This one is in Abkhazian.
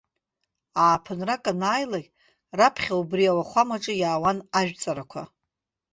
Ааԥынра анааилак, раԥхьа убри ауахәамаҿы иаауан ажәҵарақәа.